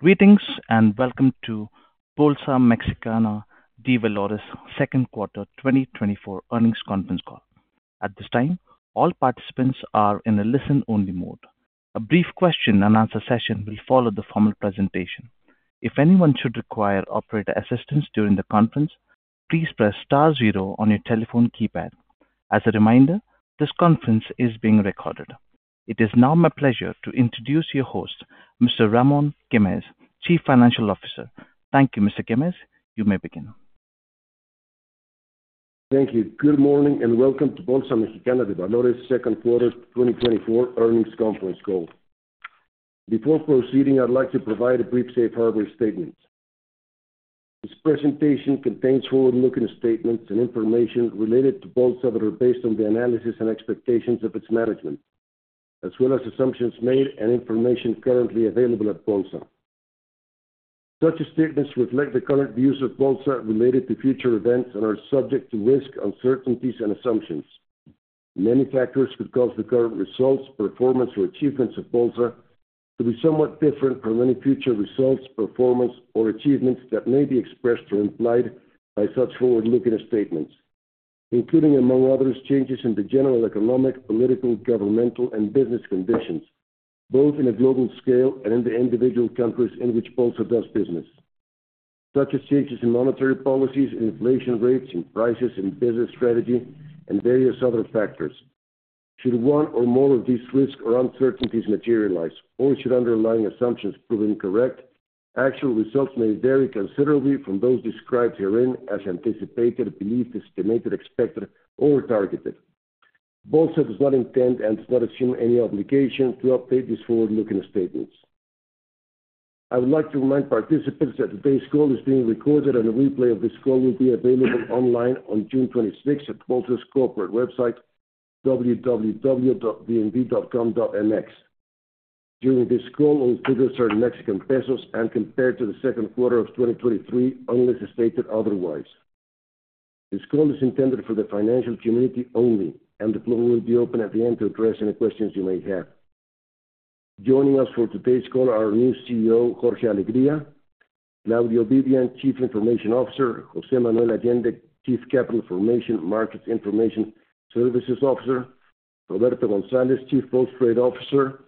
Greetings and welcome to Bolsa Mexicana de Valores second quarter 2024 earnings conference call. At this time, all participants are in a listen-only mode. A brief question-and-answer session will follow the formal presentation. If anyone should require operator assistance during the conference, please press star zero on your telephone keypad. As a reminder, this conference is being recorded. It is now my pleasure to introduce your host, Mr. Ramón Güémez, Chief Financial Officer. Thank you, Mr. Güémez. You may begin. Thank you. Good morning and welcome to Bolsa Mexicana de Valores second quarter 2024 earnings conference call. Before proceeding, I'd like to provide a brief safe harbor statement. This presentation contains forward-looking statements and information related to Bolsa that are based on the analysis and expectations of its management, as well as assumptions made and information currently available at Bolsa. Such statements reflect the current views of Bolsa related to future events and are subject to risk, uncertainties, and assumptions. Many factors could cause the current results, performance, or achievements of Bolsa to be somewhat different from any future results, performance, or achievements that may be expressed or implied by such forward-looking statements, including, among others, changes in the general economic, political, governmental, and business conditions, both in a global scale and in the individual countries in which Bolsa does business. Such as changes in monetary policies, inflation rates, prices, business strategy, and various other factors. Should one or more of these risks or uncertainties materialize, or should underlying assumptions prove incorrect, actual results may vary considerably from those described herein as anticipated, believed, estimated, expected, or targeted. Bolsa does not intend and does not assume any obligation to update these forward-looking statements. I would like to remind participants that today's call is being recorded and a replay of this call will be available online on June 26th at Bolsa's corporate website, www.bmv.com.mx. During this call, we'll use figures in Mexican pesos and compare to the second quarter of 2023 unless stated otherwise. This call is intended for the financial community only, and the floor will be open at the end to address any questions you may have. Joining us for today's call are our new CEO, Jorge Alegría, Claudio Vivian, Chief Information Officer, José Manuel Allende, Chief Capital Formation, Information Services, and Markets Officer, Roberto González, Chief Post-Trade Officer,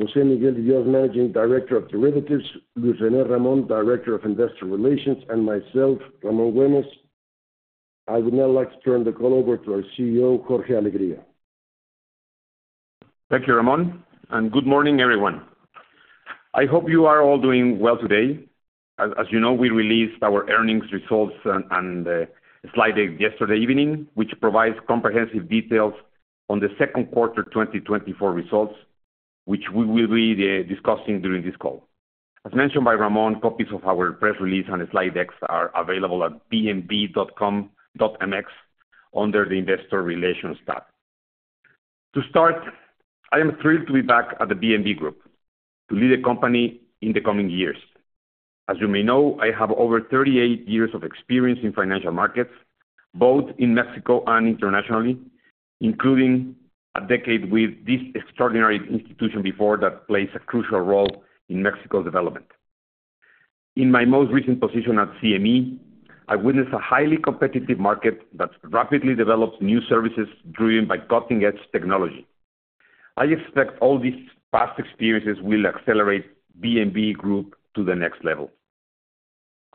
José Miguel De Dios Gómez, Chief Executive Officer of MexDer, Luis René Ramón, Director of Investor Relations, and myself, Ramón Güémez. I would now like to turn the call over to our CEO, Jorge Alegría. Thank you, Ramón, and good morning, everyone. I hope you are all doing well today. As you know, we released our earnings results and slide deck yesterday evening, which provides comprehensive details on the second quarter 2024 results, which we will be discussing during this call. As mentioned by Ramón, copies of our press release and slide decks are available at bmv.com.mx under the Investor Relations tab. To start, I am thrilled to be back at the BMV Group to lead the company in the coming years. As you may know, I have over 38 years of experience in financial markets, both in Mexico and internationally, including a decade with this extraordinary institution before that plays a crucial role in Mexico's development. In my most recent position at CME, I witnessed a highly competitive market that rapidly develops new services driven by cutting-edge technology. I expect all these past experiences will accelerate BMV Group to the next level.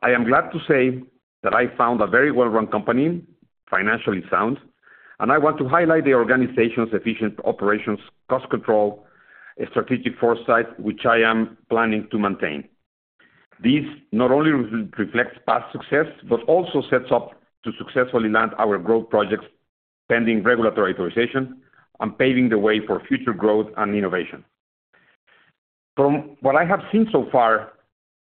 I am glad to say that I found a very well-run company, financially sound, and I want to highlight the organization's efficient operations, cost control, and strategic foresight, which I am planning to maintain. This not only reflects past success but also sets us up to successfully land our growth projects pending regulatory authorization and paving the way for future growth and innovation. From what I have seen so far,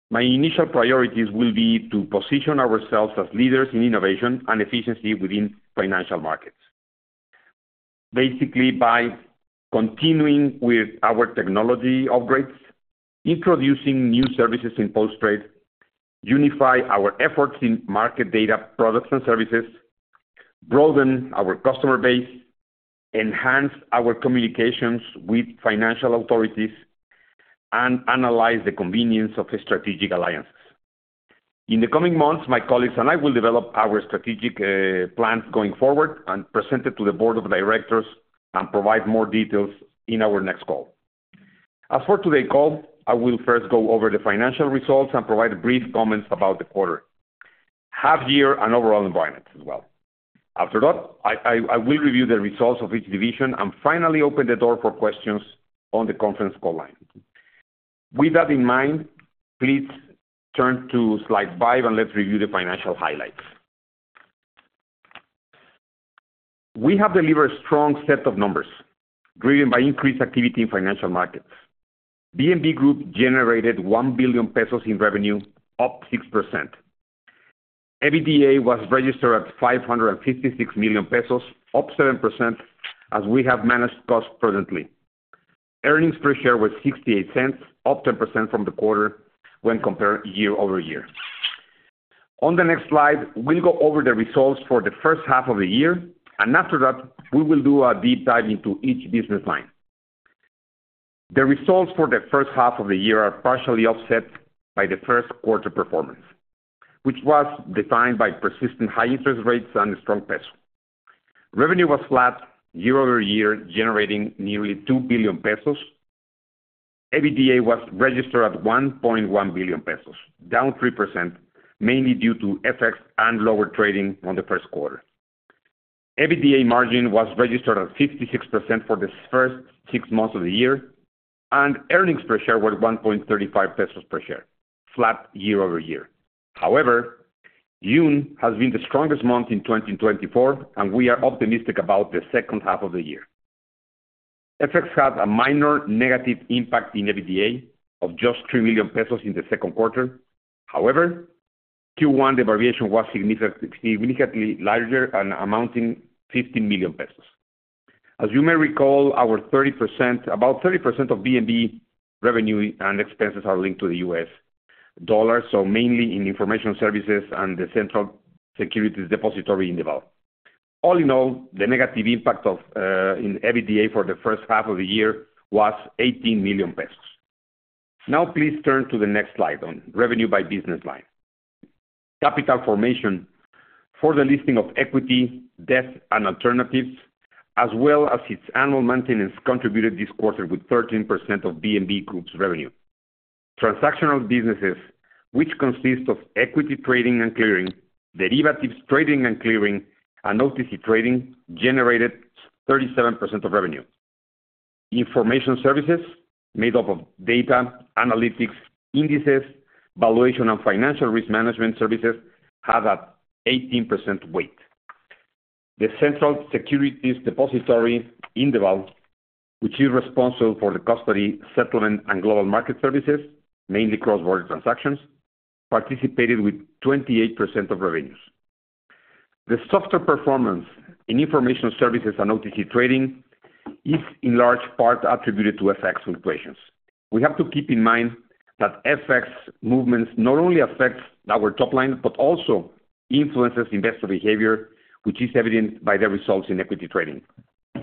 my initial priorities will be to position ourselves as leaders in innovation and efficiency within financial markets. Basically, by continuing with our technology upgrades, introducing new services in Post-Trade, unify our efforts in market data, products, and services, broaden our customer base, enhance our communications with financial authorities, and analyze the convenience of strategic alliances. In the coming months, my colleagues and I will develop our strategic plans going forward and present them to the board of directors and provide more details in our next call. As for today's call, I will first go over the financial results and provide brief comments about the quarter, half-year, and overall environment as well. After that, I will review the results of each division and finally open the door for questions on the conference call line. With that in mind, please turn to slide five and let's review the financial highlights. We have delivered a strong set of numbers driven by increased activity in financial markets. BMV Group generated 1 billion pesos in revenue, up 6%. EBITDA was registered at 556 million pesos, up 7%, as we have managed costs presently. Earnings per share was 0.68, up 10% from the quarter when compared year-over-year. On the next slide, we'll go over the results for the first half of the year, and after that, we will do a deep dive into each business line. The results for the first half of the year are partially offset by the first quarter performance, which was defined by persistent high interest rates and a strong peso. Revenue was flat year-over-year, generating nearly 2 billion pesos. EBITDA was registered at 1.1 billion pesos, down 3%, mainly due to FX and lower trading on the first quarter. EBITDA margin was registered at 56% for the first six months of the year, and earnings per share were 1.35 pesos per share, flat year-over-year. However, June has been the strongest month in 2024, and we are optimistic about the second half of the year. Effects had a minor negative impact in EBITDA of just 3 million pesos in the second quarter. However, Q1, the variation was significantly larger and amounting to 15 million pesos. As you may recall, about 30% of BMV revenue and expenses are linked to the US dollar, so mainly in information services and the central securities depository, Indeval. All in all, the negative impact in EBITDA for the first half of the year was 18 million pesos. Now, please turn to the next slide on revenue by business line. Capital formation for the listing of equity, debt, and alternatives, as well as its annual maintenance, contributed this quarter with 13% of BMV Group's revenue. Transactional businesses, which consist of equity trading and clearing, derivatives trading and clearing, and OTC trading, generated 37% of revenue. Information services, made up of data, analytics, indices, valuation, and financial risk management services, had an 18% weight. The central securities depository, Indeval, which is responsible for the custody, settlement, and global market services, mainly cross-border transactions, participated with 28% of revenues. The software performance in information services and OTC trading is, in large part, attributed to FX fluctuations. We have to keep in mind that FX movements not only affect our top line but also influence investor behavior, which is evident by the results in equity trading,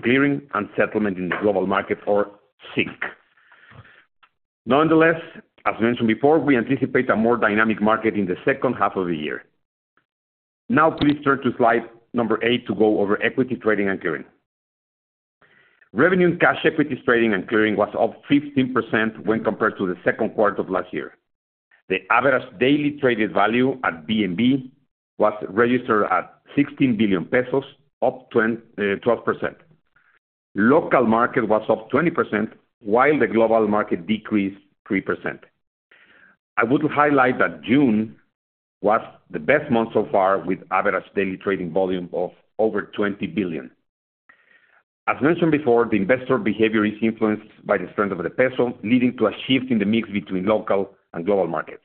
clearing, and settlement in the global market, or SIC. Nonetheless, as mentioned before, we anticipate a more dynamic market in the second half of the year. Now, please turn to slide number eight to go over equity trading and clearing. Revenue in cash equities trading and clearing was up 15% when compared to the second quarter of last year. The average daily traded value at BMV was registered at 16 billion pesos, up 12%. Local market was up 20%, while the global market decreased 3%. I would highlight that June was the best month so far, with average daily trading volume of over 20 billion. As mentioned before, the investor behavior is influenced by the strength of the peso, leading to a shift in the mix between local and global markets.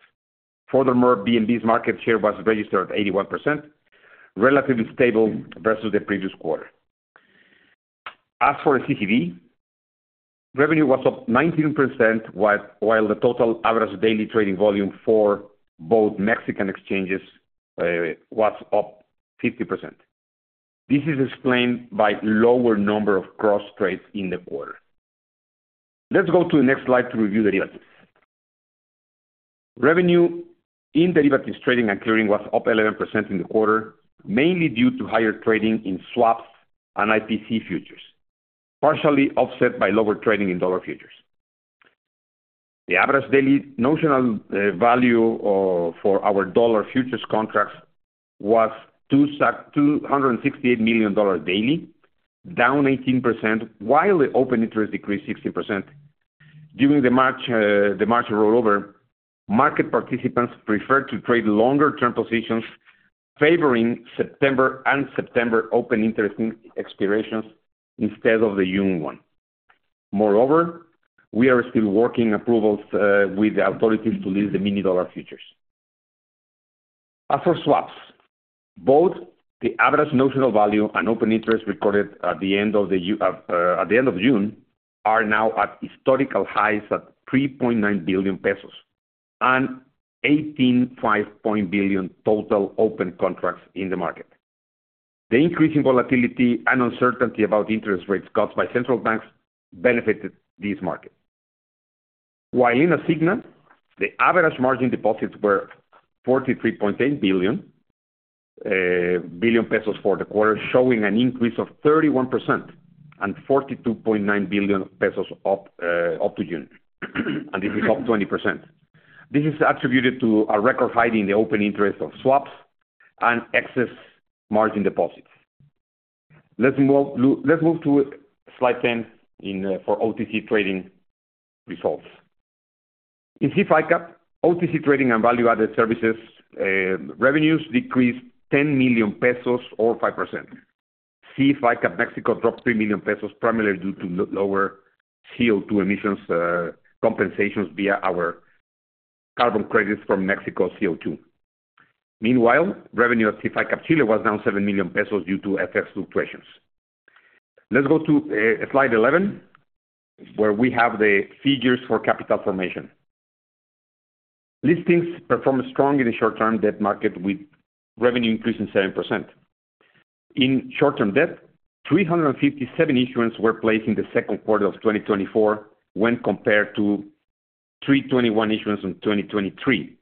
Furthermore, BMV's market share was registered at 81%, relatively stable versus the previous quarter. As for the CCV, revenue was up 19%, while the total average daily trading volume for both Mexican exchanges was up 50%. This is explained by the lower number of cross trades in the quarter. Let's go to the next slide to review derivatives. Revenue in derivatives trading and clearing was up 11% in the quarter, mainly due to higher trading in swaps and IPC futures, partially offset by lower trading in dollar futures. The average daily notional value for our dollar futures contracts was $268 million daily, down 18%, while the open interest decreased 16%. During the March rollover, market participants preferred to trade longer-term positions, favoring September and December open interest expirations instead of the June 1. Moreover, we are still working approvals with the authorities to list the mini dollar futures. As for swaps, both the average notional value and open interest recorded at the end of June are now at historical highs at 3.9 billion pesos and 18.5 billion total open contracts in the market. The increase in volatility and uncertainty about interest rate cuts by central banks benefited this market. While in Asigna, the average margin deposits were 43.8 billion for the quarter, showing an increase of 31% and 42.9 billion pesos up to June, and this is up 20%. This is attributed to a record high in the open interest of swaps and excess margin deposits. Let's move to slide 10 for OTC trading results. In SIF ICAP, OTC trading and value-added services revenues decreased 10 million pesos, or 5%. SIF ICAP Mexico dropped 3 million pesos, primarily due to lower CO2 emissions compensations via our carbon credits from MÉXICO2. Meanwhile, revenue at SIF ICAP Chile was down 7 million pesos due to effects fluctuations. Let's go to slide 11, where we have the figures for capital formation. Listings performed strong in the short-term debt market, with revenue increasing 7%. In short-term debt, 357 issuances were placed in the second quarter of 2024 when compared to 321 issuances in 2023,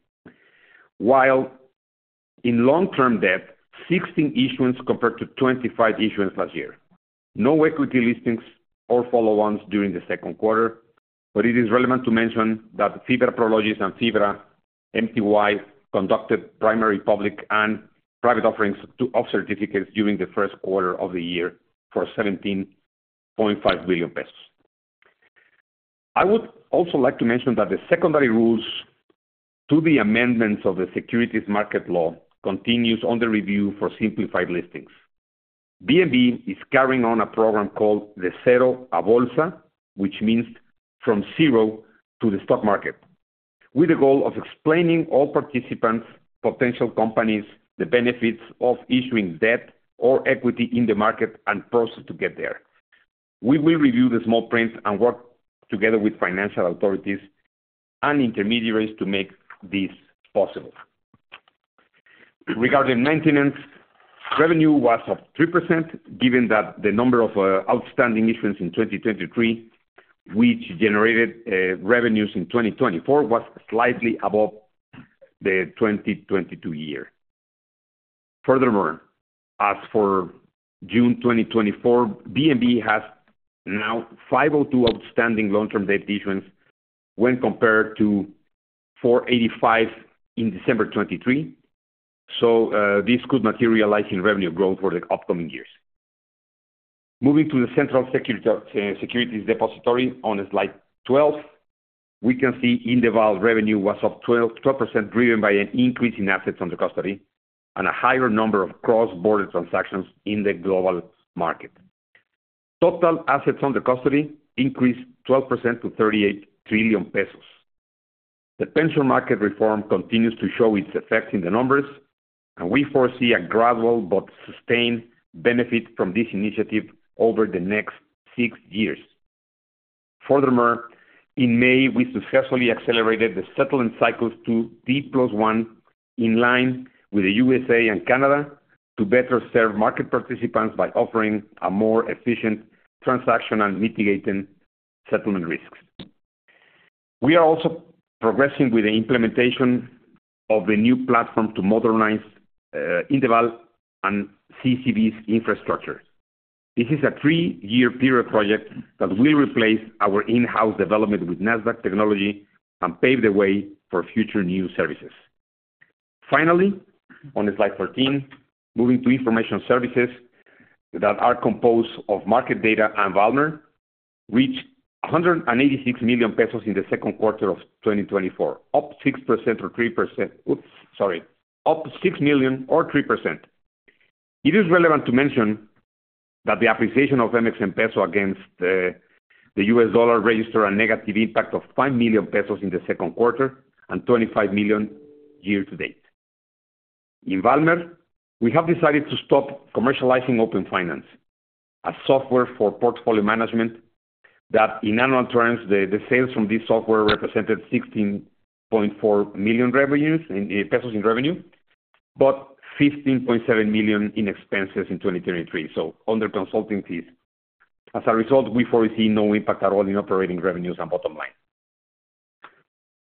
while in long-term debt, 16 issuances compared to 25 issuances last year. No equity listings or follow-ons during the second quarter, but it is relevant to mention that FIBRA Prologis and FIBRA MTY conducted primary public and private offerings of certificates during the first quarter of the year for 17.5 billion pesos. I would also like to mention that the secondary rules to the amendments of the Securities Market Law continue under review for simplified listings. BMV is carrying on a program called De Cero a Bolsa, which means from zero to the stock market, with the goal of explaining all participants, potential companies, the benefits of issuing debt or equity in the market and process to get there. We will review the small print and work together with financial authorities and intermediaries to make this possible. Regarding maintenance, revenue was up 3%, given that the number of outstanding issuance in 2023, which generated revenues in 2024, was slightly above the 2022 year. Furthermore, as for June 2024, BMV has now 502 outstanding long-term debt issuance when compared to 485 in December 2023, so this could materialize in revenue growth for the upcoming years. Moving to the central securities depository on slide 12, we can see in Indeval revenue was up 12%, driven by an increase in assets under custody and a higher number of cross-border transactions in the global market. Total assets under custody increased 12% to 38 trillion pesos. The pension market reform continues to show its effects in the numbers, and we foresee a gradual but sustained benefit from this initiative over the next six years. Furthermore, in May, we successfully accelerated the settlement cycles to T+1 in line with the USA and Canada to better serve market participants by offering a more efficient transaction and mitigating settlement risks. We are also progressing with the implementation of the new platform to modernize Indeval and CCV's infrastructure. This is a three-year period project that will replace our in-house development with Nasdaq technology and pave the way for future new services. Finally, on slide 14, moving to information services that are composed of market data and Valmer, reached 186 million pesos in the second quarter of 2024, up 6% or 3%. Sorry, up 6 million or 3%. It is relevant to mention that the appreciation of the peso against the US dollar registered a negative impact of 5 million pesos in the second quarter and 25 million year to date. In Valmer, we have decided to stop commercializing OpenFinance, a software for portfolio management that, in annual terms, the sales from this software represented 16.4 million in revenue, but 15.7 million in expenses in 2023, so under consulting fees. As a result, we foresee no impact at all in operating revenues and bottom line.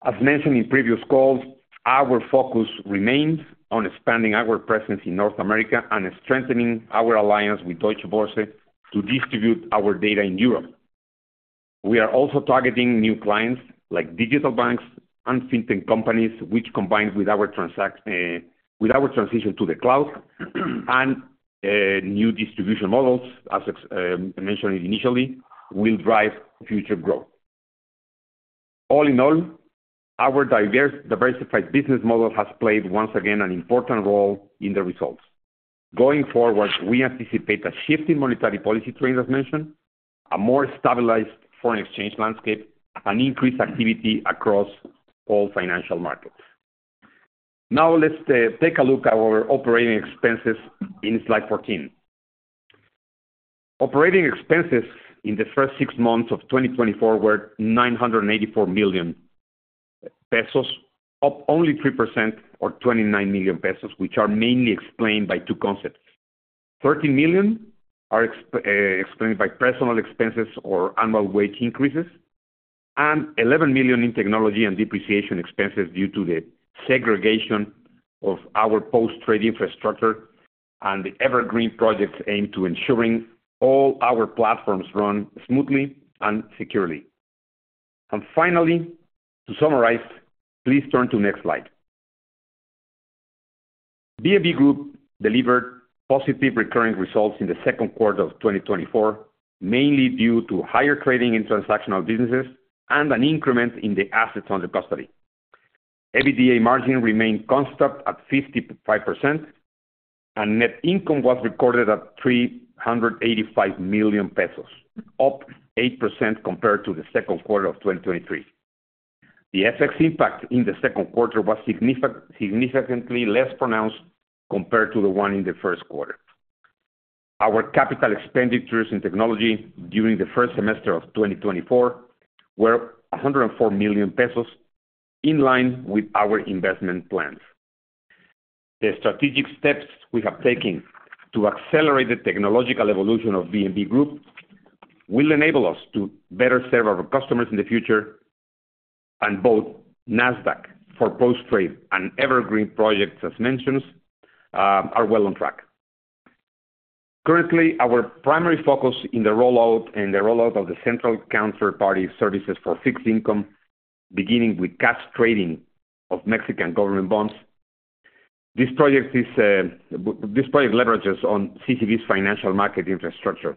As mentioned in previous calls, our focus remains on expanding our presence in North America and strengthening our alliance with Deutsche Börse to distribute our data in Europe. We are also targeting new clients like digital banks and fintech companies, which, combined with our transition to the cloud and new distribution models, as mentioned initially, will drive future growth. All in all, our diversified business model has played, once again, an important role in the results. Going forward, we anticipate a shift in monetary policy trend, as mentioned, a more stabilized foreign exchange landscape, and increased activity across all financial markets. Now, let's take a look at our operating expenses in slide 14. Operating expenses in the first six months of 2024 were 984 million pesos, up only 3%, or 29 million pesos, which are mainly explained by two concepts. 13 million are explained by personal expenses or annual wage increases, and 11 million in technology and depreciation expenses due to the segregation of our post-trade infrastructure and the evergreen projects aimed to ensuring all our platforms run smoothly and securely. Finally, to summarize, please turn to the next slide. Grupo BMV delivered positive recurring results in the second quarter of 2024, mainly due to higher trading in transactional businesses and an increment in the assets under custody. EBITDA margin remained constant at 55%, and net income was recorded at 385 million pesos, up 8% compared to the second quarter of 2023. The effects impact in the second quarter was significantly less pronounced compared to the one in the first quarter. Our capital expenditures in technology during the first semester of 2024 were 104 million pesos, in line with our investment plans. The strategic steps we have taken to accelerate the technological evolution of Grupo BMV will enable us to better serve our customers in the future, and both Nasdaq for post-trade and evergreen projects, as mentioned, are well on track. Currently, our primary focus is in the rollout of the central counterparty services for fixed income, beginning with cash trading of Mexican government bonds. This project leverages on CCV's financial market infrastructure,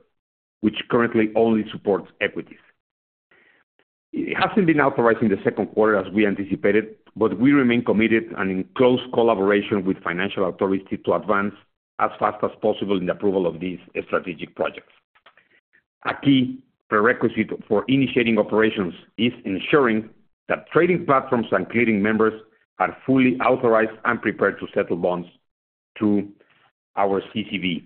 which currently only supports equities. It hasn't been authorized in the second quarter, as we anticipated, but we remain committed and in close collaboration with financial authorities to advance as fast as possible in the approval of these strategic projects. A key prerequisite for initiating operations is ensuring that trading platforms and clearing members are fully authorized and prepared to settle bonds through our CCV.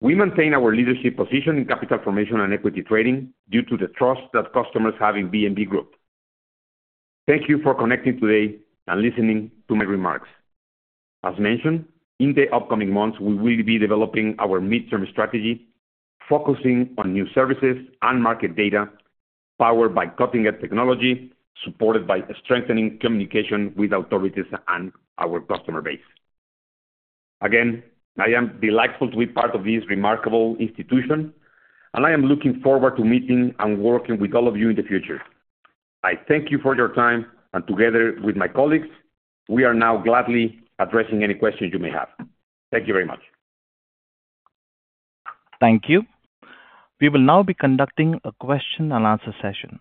We maintain our leadership position in capital formation and equity trading due to the trust that customers have in Grupo BMV. Thank you for connecting today and listening to my remarks. As mentioned, in the upcoming months, we will be developing our midterm strategy, focusing on new services and market data powered by cutting-edge technology, supported by strengthening communication with authorities and our customer base. Again, I am delighted to be part of this remarkable institution, and I am looking forward to meeting and working with all of you in the future. I thank you for your time, and together with my colleagues, we are now gladly addressing any questions you may have. Thank you very much. Thank you. We will now be conducting a question-and-answer session.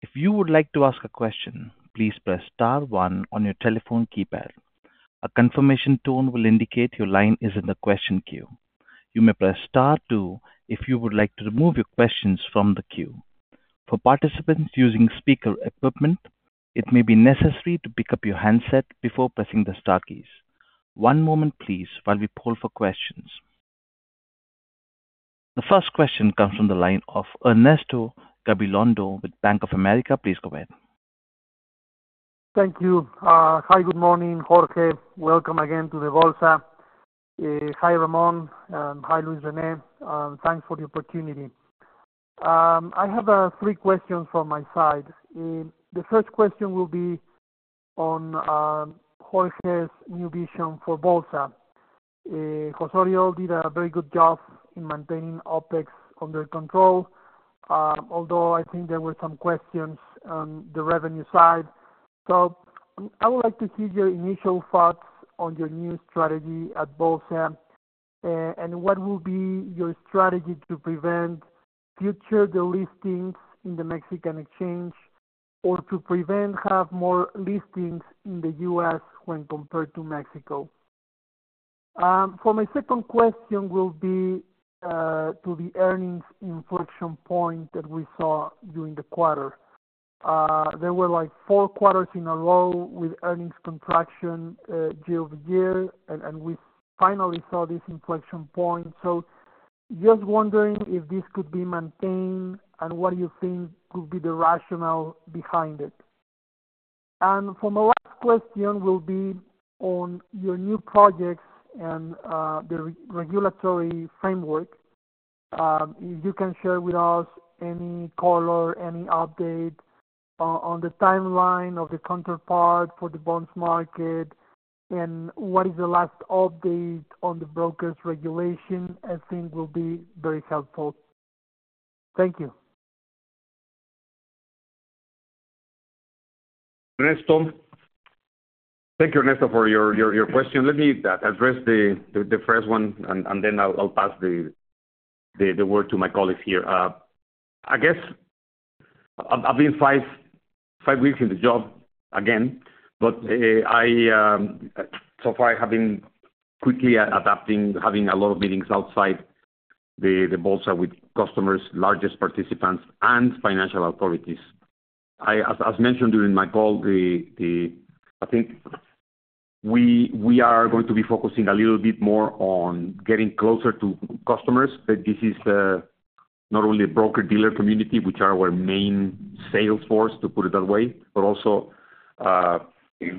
If you would like to ask a question, please press star one on your telephone keypad. A confirmation tone will indicate your line is in the question queue. You may press star two if you would like to remove your questions from the queue. For participants using speaker equipment, it may be necessary to pick up your handset before pressing the star keys. One moment, please, while we poll for questions. The first question comes from the line of Ernesto Gabilondo with Bank of America. Please go ahead. Thank you. Hi, good morning, Jorge. Welcome again to the Bolsa. Hi, Ramón, and hi, Luis René. Thanks for the opportunity. I have three questions from my side. The first question will be on Jorge's new vision for Bolsa. José-Oriol did a very good job in maintaining OpEx under control, although I think there were some questions on the revenue side. So I would like to hear your initial thoughts on your new strategy at Bolsa, and what will be your strategy to prevent future delistings in the Mexican exchange or to prevent more listings in the U.S. when compared to Mexico. For my second question will be to the earnings inflection point that we saw during the quarter. There were four quarters in a row with earnings contraction year-over-year, and we finally saw this inflection point. Just wondering if this could be maintained and what you think could be the rationale behind it. For my last question will be on your new projects and the regulatory framework. If you can share with us any call or any update on the timeline of the counterparty for the bonds market and what is the last update on the broker's regulation, I think will be very helpful. Thank you. Ernesto. Thank you, Ernesto, for your question. Let me address the first one, and then I'll pass the word to my colleagues here. I guess I've been five weeks in the job again, but so far, I have been quickly adapting, having a lot of meetings outside the Bolsa with customers, largest participants, and financial authorities. As mentioned during my call, I think we are going to be focusing a little bit more on getting closer to customers. This is not only the broker-dealer community, which are our main sales force, to put it that way, but also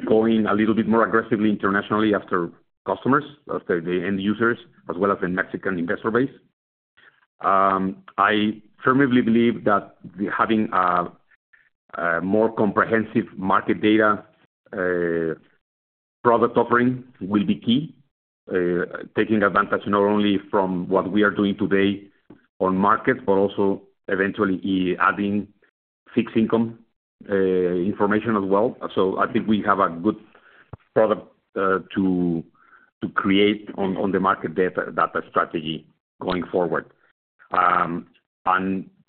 going a little bit more aggressively internationally after customers, after the end users, as well as the Mexican investor base. I firmly believe that having more comprehensive market data product offering will be key, taking advantage not only from what we are doing today on market, but also eventually adding fixed income information as well. So I think we have a good product to create on the market data strategy going forward. And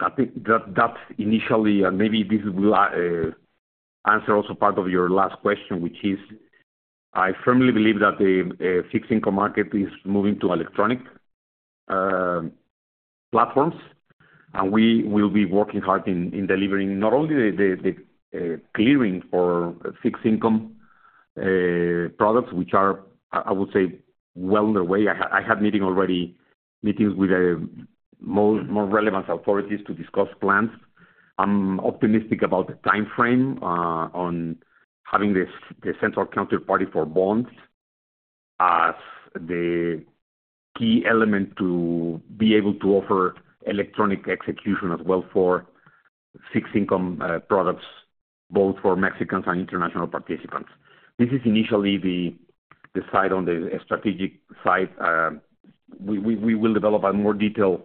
I think that that's initially, and maybe this will answer also part of your last question, which is I firmly believe that the fixed income market is moving to electronic platforms, and we will be working hard in delivering not only the clearing for fixed income products, which are, I would say, well underway. I had meetings already, meetings with more relevant authorities to discuss plans. I'm optimistic about the timeframe on having the central counterparty for bonds as the key element to be able to offer electronic execution as well for fixed income products, both for Mexicans and international participants. This is initially the side on the strategic side. We will develop a more detailed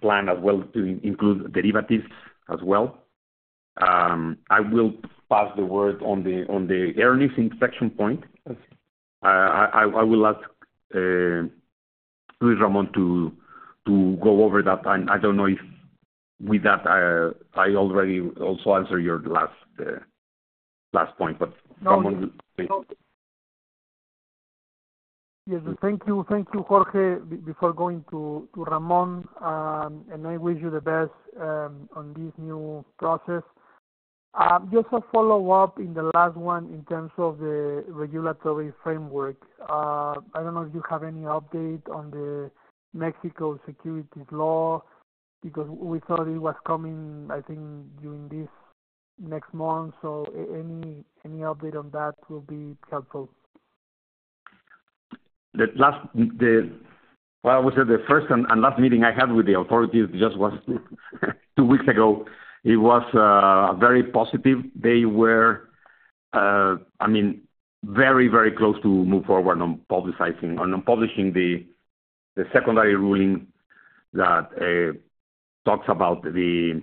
plan as well to include derivatives as well. I will pass the word on the earnings inflection point. I will ask Luis Ramón to go over that. I don't know if with that, I already also answered your last point, but Ramón, please. Yes, thank you. Thank you, Jorge, before going to Ramón. And I wish you the best on this new process. Just a follow-up in the last one in terms of the regulatory framework. I don't know if you have any update on the Mexico securities law because we thought it was coming, I think, during this next month. So any update on that will be helpful. The last, well, I would say the first and last meeting I had with the authorities just was two weeks ago. It was very positive. They were, I mean, very, very close to move forward on publicizing and on publishing the secondary ruling that talks about the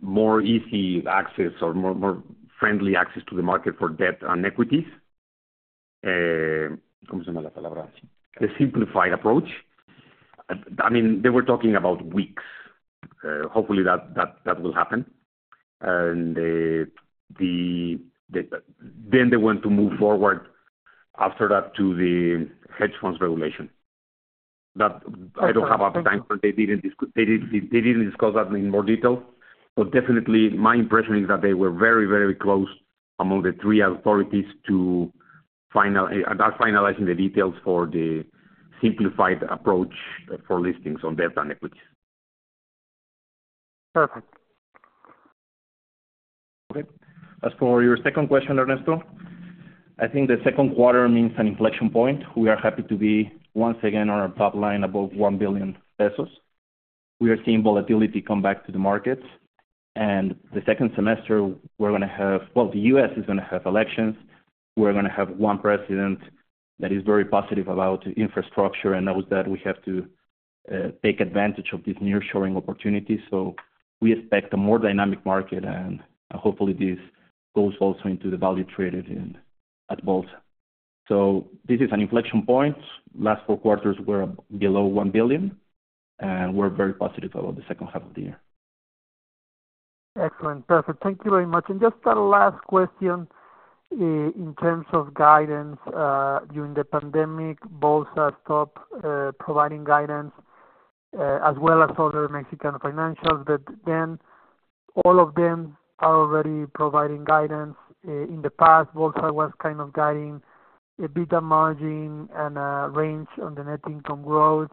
more easy access or more friendly access to the market for debt and equities. The simplified approach. I mean, they were talking about weeks. Hopefully, that will happen. And then they went to move forward after that to the hedge funds regulation. I don't have a timeframe. They didn't discuss that in more detail, but definitely, my impression is that they were very, very close among the three authorities to finalizing the details for the simplified approach for listings on debt and equities. Perfect. Okay. As for your second question, Ernesto, I think the second quarter means an inflection point. We are happy to be once again on our top line above 1 billion pesos. We are seeing volatility come back to the markets. And the second semester, we're going to have well, the U.S. is going to have elections. We're going to have one president that is very positive about infrastructure and knows that we have to take advantage of this nearshoring opportunity. So we expect a more dynamic market, and hopefully, this goes also into the value traded at Bolsa. So this is an inflection point. Last four quarters, we're below 1 billion, and we're very positive about the second half of the year. Excellent. Perfect. Thank you very much. Just a last question in terms of guidance. During the pandemic, Bolsa stopped providing guidance as well as other Mexican financials, but then all of them are already providing guidance. In the past, Bolsa was kind of guiding EBITDA margin and range on the net income growth.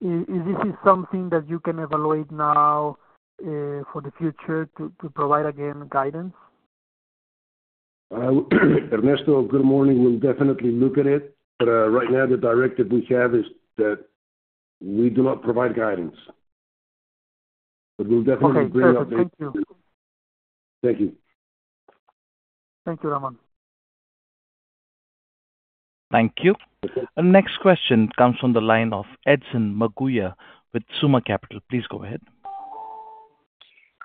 Is this something that you can evaluate now for the future to provide again guidance? Ernesto, good morning. We'll definitely look at it. But right now, the directive we have is that we do not provide guidance. But we'll definitely bring updates. Perfect. Thank you. Thank you. Thank you, Ramón. Thank you. And next question comes from the line of Edson Murguía with Suma Capital. Please go ahead.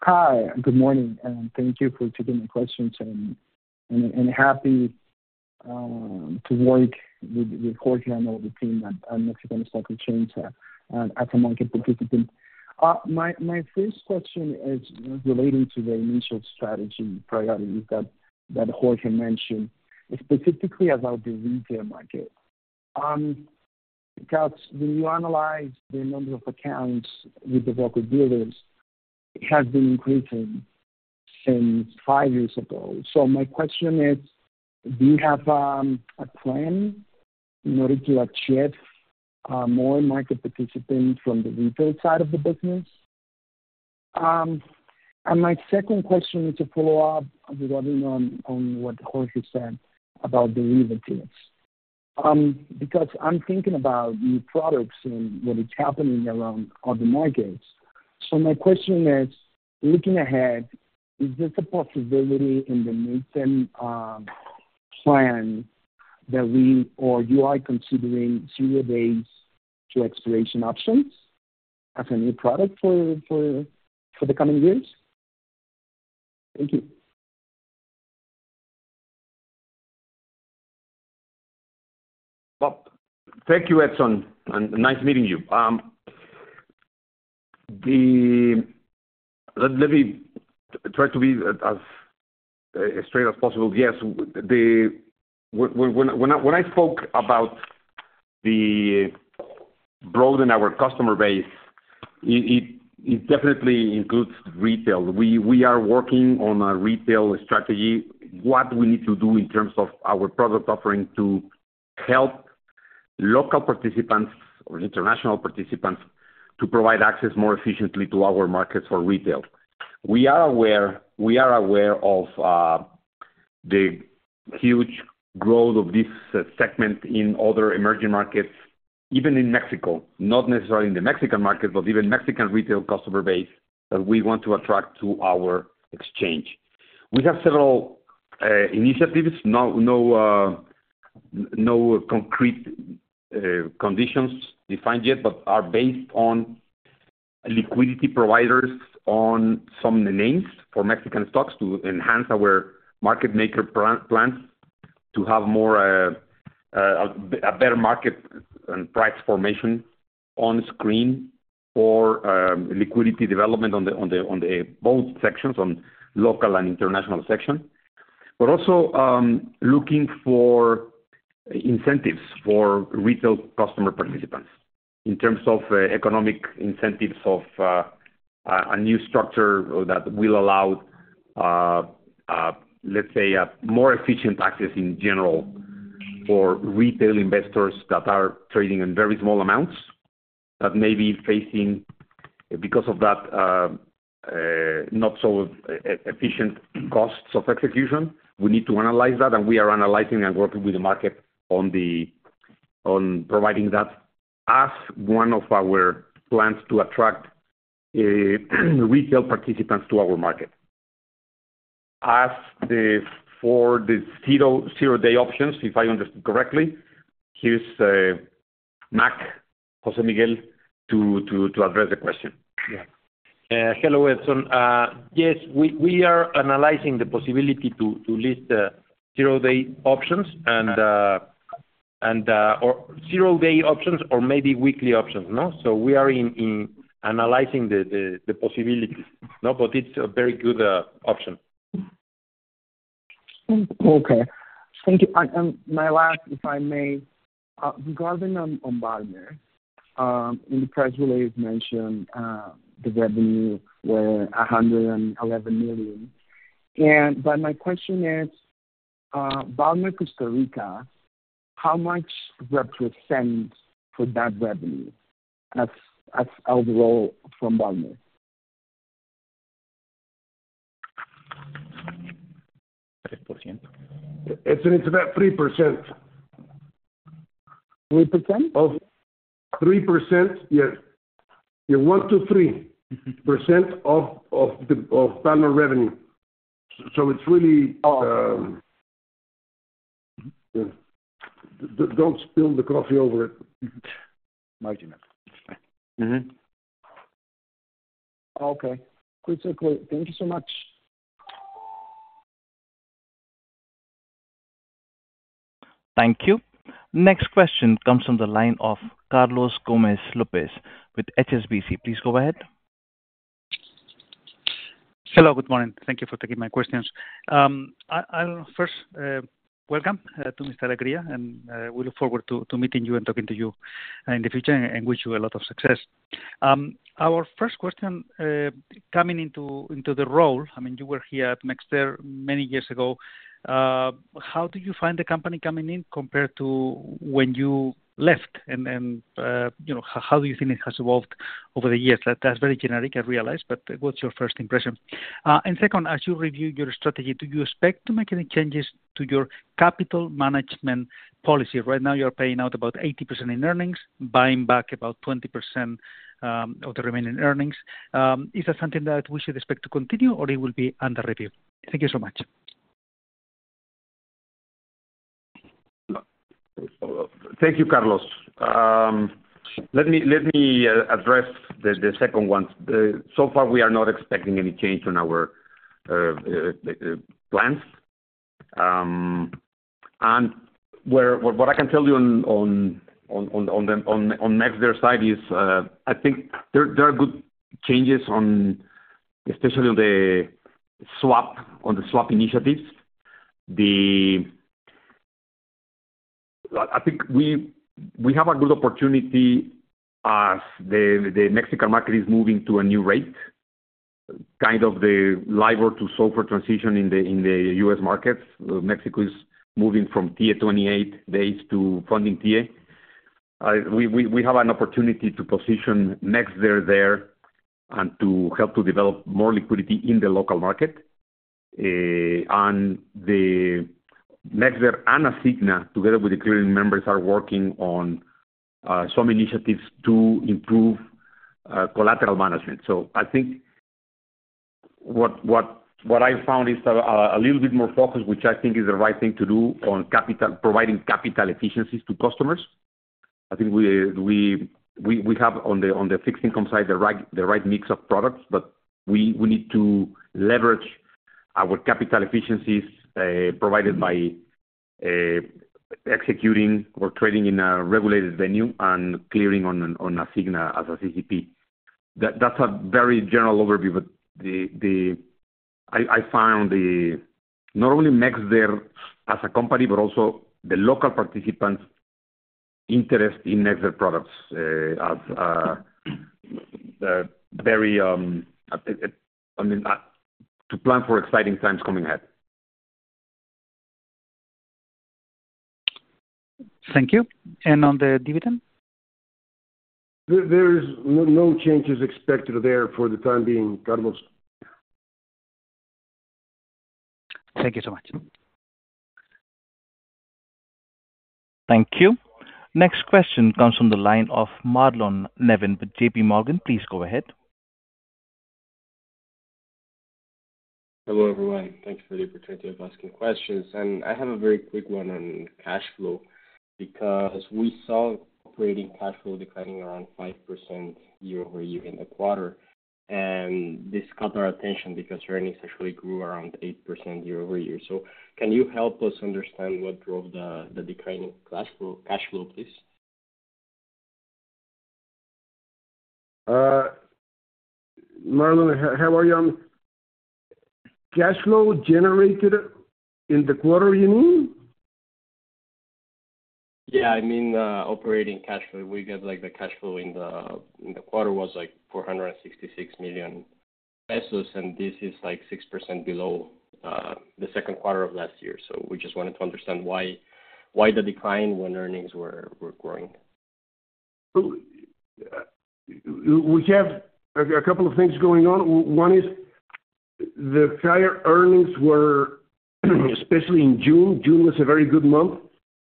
Hi, good morning. Thank you for taking my questions and happy to work with Jorge and all the team at Mexican Stock Exchange as a market participant. My first question is relating to the initial strategy priorities that Jorge mentioned, specifically about the retail market. When you analyze the number of accounts with the broker-dealers, it has been increasing since five years ago. So my question is, do you have a plan in order to achieve more market participants from the retail side of the business? And my second question is a follow-up regarding on what Jorge said about derivatives because I'm thinking about new products and what is happening around other markets. So my question is, looking ahead, is this a possibility in the midterm plan that we or you are considering zero-days to expiration options as a new product for the coming years? Thank you. Well, thank you, Edson. Nice meeting you. Let me try to be as straight as possible. Yes, when I spoke about broadening our customer base, it definitely includes retail. We are working on a retail strategy, what we need to do in terms of our product offering to help local participants or international participants to provide access more efficiently to our markets for retail. We are aware of the huge growth of this segment in other emerging markets, even in Mexico, not necessarily in the Mexican market, but even Mexican retail customer base that we want to attract to our exchange. We have several initiatives, no concrete conditions defined yet, but are based on liquidity providers on some names for Mexican stocks to enhance our market maker plans to have a better market and price formation on screen for liquidity development on both sections, on local and international section, but also looking for incentives for retail customer participants in terms of economic incentives of a new structure that will allow, let's say, a more efficient access in general for retail investors that are trading in very small amounts that may be facing, because of that, not so efficient costs of execution. We need to analyze that, and we are analyzing and working with the market on providing that as one of our plans to attract retail participants to our market. As for the zero-day options, if I understood correctly, here's José Miguel to address the question. Yeah. Hello, Edson. Yes, we are analyzing the possibility to list zero-day options and or zero-day options or maybe weekly options. So we are analyzing the possibilities, but it's a very good option. Okay. Thank you. And my last, if I may, regarding on Valmer, in the press release mentioned the revenue were 111 million. But my question is, Valmer Costa Rica, how much represents for that revenue as overall from Valmer? 3%. It's about 3%. 3%? 3%, yes. 1%-3% of Valmer revenue. So it's really don't spill the coffee over it. Marginal. Okay. Quick circle. Thank you so much. Thank you. Next question comes from the line of Carlos Gómez López with HSBC. Please go ahead. Hello. Good morning. Thank you for taking my questions. First, welcome to Mr. Alegría, and we look forward to meeting you and talking to you in the future, and wish you a lot of success. Our first question coming into the role, I mean, you were here at MexDer many years ago. How did you find the company coming in compared to when you left, and how do you think it has evolved over the years? That's very generic, I realize, but what's your first impression? And second, as you review your strategy, do you expect to make any changes to your capital management policy? Right now, you are paying out about 80% in earnings, buying back about 20% of the remaining earnings. Is that something that we should expect to continue, or it will be under review? Thank you so much. Thank you, Carlos. Let me address the second one. So far, we are not expecting any change on our plans. What I can tell you on MexDer side is I think there are good changes, especially on the swap initiatives. I think we have a good opportunity as the Mexican market is moving to a new rate, kind of the LIBOR to SOFR transition in the U.S. markets. Mexico is moving from TIIE 28 days to Funding TIIE. We have an opportunity to position MexDer there and to help to develop more liquidity in the local market. And MexDer and Asigna, together with the clearing members, are working on some initiatives to improve collateral management. So I think what I found is a little bit more focus, which I think is the right thing to do on providing capital efficiencies to customers. I think we have on the fixed income side the right mix of products, but we need to leverage our capital efficiencies provided by executing or trading in a regulated venue and clearing on Asigna as a CCP. That's a very general overview, but I found not only MexDer as a company, but also the local participants' interest in MexDer products as very to plan for exciting times coming ahead. Thank you. And on the dividend? There's no changes expected there for the time being, Carlos. Thank you so much. Thank you. Next question comes from the line of Marlon Medina with J.P. Morgan. Please go ahead. Hello, everyone. Thanks for the opportunity of asking questions. And I have a very quick one on cash flow because we saw operating cash flow declining around 5% year-over-year in the quarter. This caught our attention because earnings actually grew around 8% year-over-year. So can you help us understand what drove the declining cash flow, please? Marlon, how are you on cash flow generated in the quarter, you mean? Yeah. I mean, operating cash flow, we get the cash flow in the quarter was like 466 million pesos, and this is like 6% below the second quarter of last year. So we just wanted to understand why the decline when earnings were growing. We have a couple of things going on. One is the higher earnings were, especially in June. June was a very good month.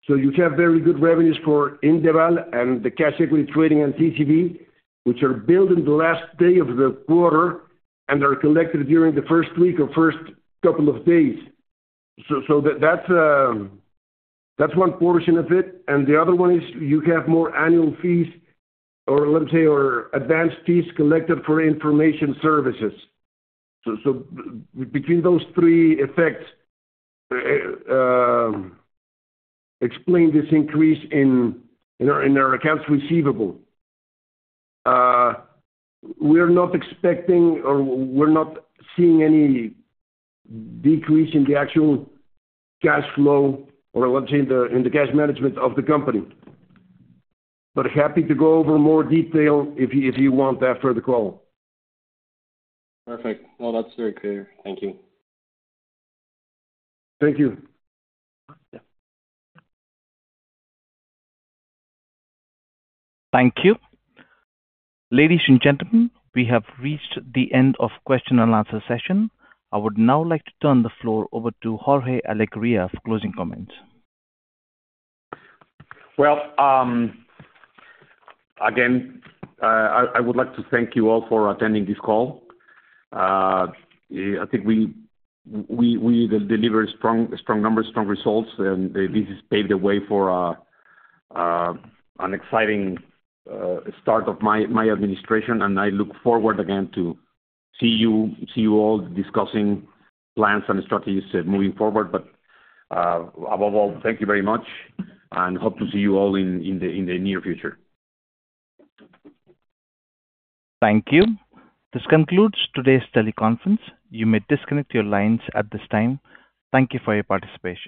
So you have very good revenues for Indeval and the cash equity trading and TCV, which are billed in the last day of the quarter and are collected during the first week or first couple of days. So that's one portion of it. And the other one is you have more annual fees or, let's say, advanced fees collected for information services. So between those three effects explain this increase in our accounts receivable. We're not expecting or we're not seeing any decrease in the actual cash flow or, let's say, in the cash management of the company. But happy to go over more detail if you want after the call. Perfect. Well, that's very clear. Thank you. Thank you. Thank you. Ladies and gentlemen, we have reached the end of question and answer session. I would now like to turn the floor over to Jorge Alegría for closing comments. Well, again, I would like to thank you all for attending this call. I think we delivered strong numbers, strong results, and this paved the way for an exciting start of my administration. I look forward again to see you all discussing plans and strategies moving forward. Above all, thank you very much, and hope to see you all in the near future. Thank you. This concludes today's teleconference. You may disconnect your lines at this time. Thank you for your participation.